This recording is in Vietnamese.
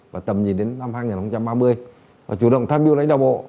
và tầm nhìn đến năm hai nghìn ba mươi và chủ động tham mưu lãnh đạo bộ